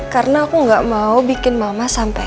karena aku gak mau bikin mama sampai